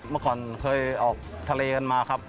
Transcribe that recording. เมื่อก่อนเคยออกทะเลกันมาครับ